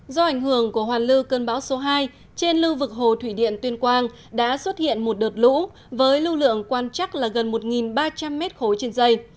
do ảnh hưởng của hoàn lưu cơn bão số hai trên lưu vực hồ thủy điện tuyên quang đã xuất hiện một đợt lũ với lưu lượng quan chắc là gần một ba trăm linh m ba trên dây